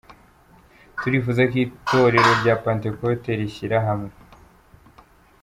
Turifuza ko itorero rya Pantekote rishyira hamwe.